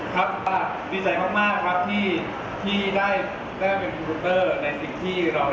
แบบนั้นก็ไม่ต้องเข้าไปให้พูดนะครับ